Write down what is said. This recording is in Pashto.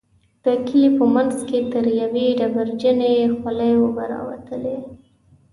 د کلي په منځ کې تر يوې ډبرينې خولۍ اوبه راوتلې.